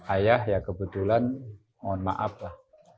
ayah ya kebetulan mohon maaf lah